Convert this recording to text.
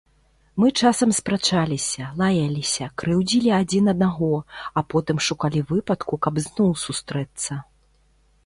Мы часам спрачаліся, лаяліся, крыўдзілі адзін аднаго, а потым шукалі выпадку, каб зноў сустрэцца.